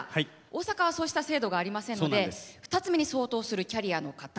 大阪はそうした制度がありませんので２ツ目に相当するキャリアの方。